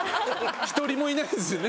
一人もいないですよね。